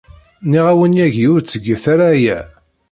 Nniɣ-awen yagi ur ttget ara aya.